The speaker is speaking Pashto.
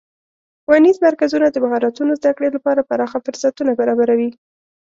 ښوونیز مرکزونه د مهارتونو زدهکړې لپاره پراخه فرصتونه برابروي.